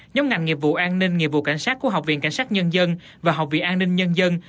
nhóm ngành nghiệp vụ an ninh nghiệp vụ cảnh sát của học viện cảnh sát nhân dân và học viện an ninh nhân dân